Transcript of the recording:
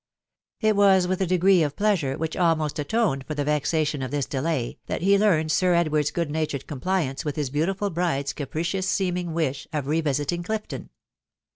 It was with a degree of pleasure which almost atoned for the vexation of this delay, that he learned Sir Edward's good natured compliance with his beautiful bride's capricious seeming wish of revisiting Clifton.